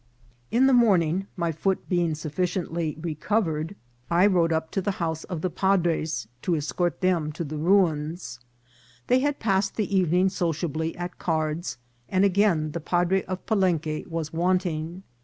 In the morning, my foot being sufficiently recovered, 334 INCIDENTS OF TRAVEL. I rode up to the house of the padres to escort them to the ruins. They had passed the evening sociably at cards, and again the padre of Palenque was wanting.